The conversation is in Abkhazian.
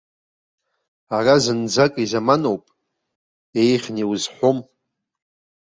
Ара зынӡак изаманоуп, еиӷьны иузҳәом.